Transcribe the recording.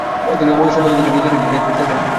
তিনি অমূল্য সম্পদের দিকে নিজেকে নিয়ে যেতে থাকেন।